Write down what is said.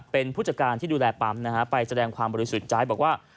เป็นผู้จัดการที่ดูแลปั๊มนะฮะไปแสดงความบริสุทธิ์ใจบอกว่า